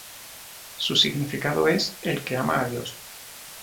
Su significado es "el que ama a Dios".